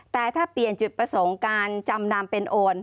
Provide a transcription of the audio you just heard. แต่ถ้าเปลี่ยนจุดประสงค์การจำนำเป็นโอน